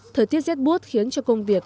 thời tiết rét buốt khiến cho công việc